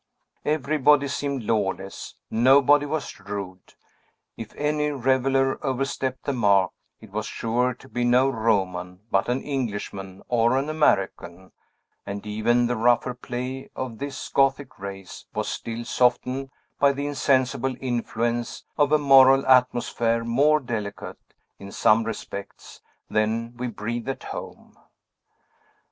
Everybody seemed lawless; nobody was rude. If any reveller overstepped the mark, it was sure to be no Roman, but an Englishman or an American; and even the rougher play of this Gothic race was still softened by the insensible influence of a moral atmosphere more delicate, in some respects, than we breathe at home.